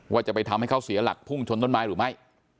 ว่าจะไปทำให้เขาเสียหลักพุ่งชนต้นไม้หรือไม่